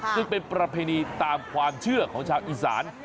ซึ่งเป็นประเพณีตามความเชื่อของชาวอีสาน